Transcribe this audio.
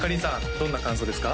どんな感想ですか？